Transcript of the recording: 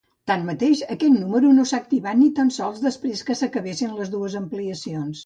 Tanmateix, aquest número no s'ha canviat ni tan sols després que s'acabessin les dues ampliacions.